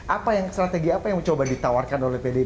apa yang strategi apa yang mencoba ditawarkan oleh bdi perjuangan